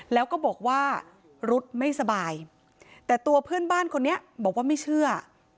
แล้วก็บอกว่ารุ๊ดไม่สบายแต่ตัวเพื่อนบ้านคนนี้บอกว่าไม่เชื่อ